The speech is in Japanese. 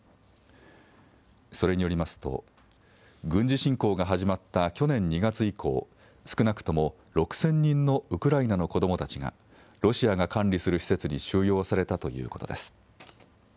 それによりますと、軍事侵攻が始まった去年２月以降、少なくとも６０００人のウクライナの子どもたちがロシアが管理する施設に収容されたということです。